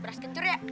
beras kencur ya